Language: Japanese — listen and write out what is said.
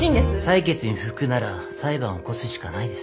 裁決に不服なら裁判を起こすしかないです。